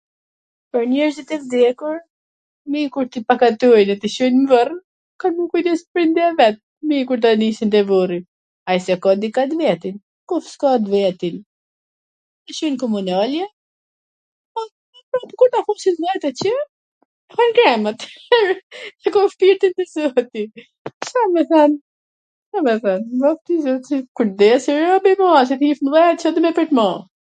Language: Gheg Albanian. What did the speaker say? Pwr njerzit e vdekur, mir kur t i pakatojn edhe t i Cojn n vorr, kan me u kujdes prindt e vet, fmijt kur do i nisin te vorri, ai si e ka dika t vetin, po s ka t vetin, t i Cojn Komunalja ... Ca me than... Kur t vdesi robi ma...se dit mdhaja Ca do me prit ma?